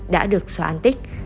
đã được xóa an tích